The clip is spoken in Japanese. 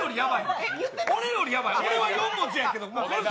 俺は４文字やけど。